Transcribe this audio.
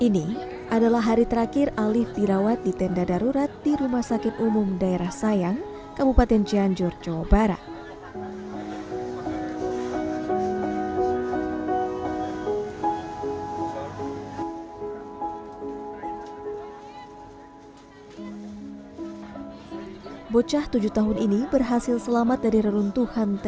mereka juga berusaha bertahan hidup